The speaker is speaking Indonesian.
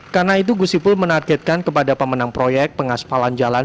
karena itu gus ipul menargetkan kepada pemenang proyek pengaspalan jalan